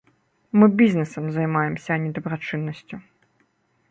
Мы бізнэсам займаемся, а не дабрачыннасцю.